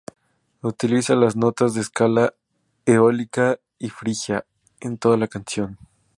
Utiliza las notas de escala eólica y frigia en toda la canción.